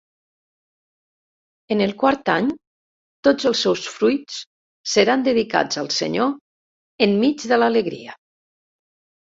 En el quart any tots els seus fruits seran dedicats al Senyor enmig de l'alegria.